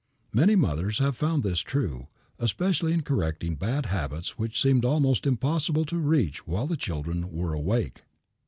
Many mothers have found this true, especially in correcting bad habits which seemed almost impossible to reach while the children were awake.